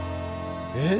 えっ！？